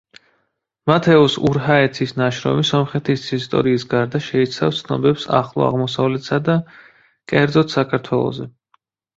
მათეოს ურჰაეცის ნაშრომი სომხეთის ისტორიის გარდა შეიცავს ცნობებს ახლო აღმოსავლეთსა და, კერძოდ, საქართველოზე.